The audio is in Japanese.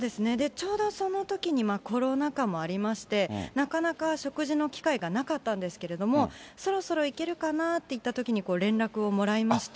ちょうどそのときにコロナ禍もありまして、なかなか食事の機会がなかったんですけれども、そろそろ行けるかなといったときに連絡をもらいまして。